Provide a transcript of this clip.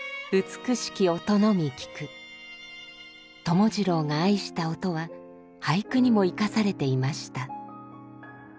友次郎が愛した音は俳句にも生かされていました。